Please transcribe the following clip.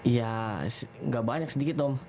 ya gak banyak sedikit om